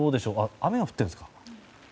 雨が降ってるんですか？